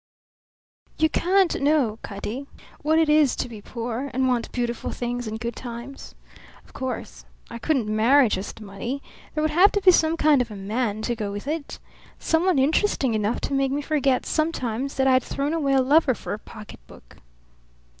You can't know, Cutty, what it is to be poor and want beautiful things and good times. Of course. I couldn't marry just money. There would have to be some kind of a man to go with it. Someone interesting enough to make me forget sometimes that I'd thrown away a lover for a pocket book."